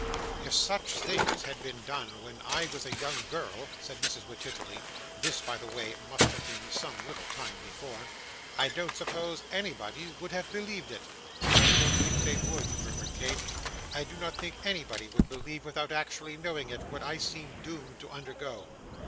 'If such things had been done when I was a young girl,' said Mrs Wititterly (this, by the way, must have been some little time before), 'I don't suppose anybody would have believed it.' 'I don't think they would,' murmured Kate. 'I do not think anybody would believe, without actually knowing it, what I seem doomed to undergo!